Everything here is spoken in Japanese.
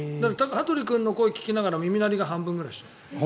羽鳥君の声を聞きながら耳鳴りが半分ぐらいしている。